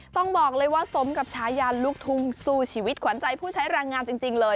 ต้องบอกเลยว่าสมกับชายานลูกทุ่งสู้ชีวิตขวัญใจผู้ใช้แรงงานจริงเลย